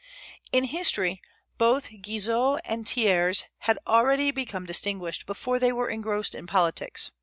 In history, both Guizot and Thiers had already become distinguished before they were engrossed in politics.